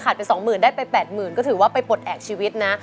ขาดไปสองหมื่นได้ไปแปดหมื่นก็ถือว่าไปปลดแอบชีวิตนะ